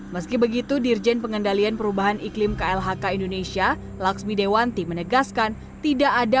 meski begitu dirjen pengendalian perubahan iklim klhk indonesia laksmi dewanti menegaskan tidak ada